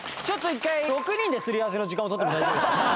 ちょっと１回６人ですり合わせの時間を取っても大丈夫ですか？